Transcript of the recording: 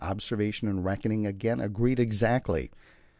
Observation and reckoning again agreed exactly.